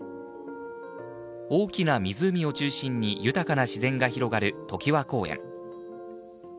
大きな湖を中心に豊かな自然が広がる、ときわ公園。